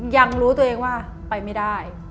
ยังรู้ตัวเองว่าไปไม่ได้